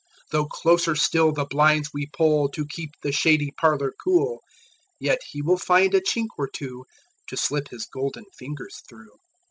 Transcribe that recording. Though closer still the blinds we pullTo keep the shady parlour cool, Yet he will find a chink or twoTo slip his golden fingers through.